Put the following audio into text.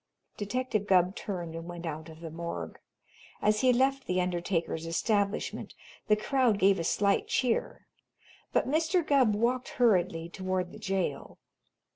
Detective Gubb turned and went out of the morgue. As he left the undertaker's establishment the crowd gave a slight cheer, but Mr. Gubb walked hurriedly toward the jail.